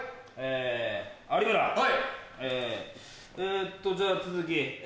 えっとじゃあ続き。